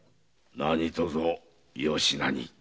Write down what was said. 何とぞよしなに。